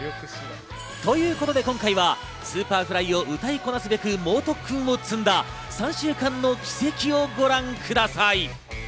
ということで、今回はＳｕｐｅｒｆｌｙを歌いこなすべく猛特訓を積んだ３週間の軌跡をご覧ください。